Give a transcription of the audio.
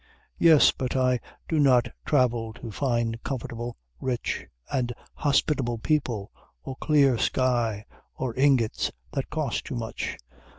Yes, but I do not travel to find comfortable, rich, and hospitable people, or clear sky, or ingots that cost too much.